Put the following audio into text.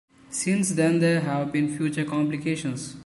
Since then there have been further compilations.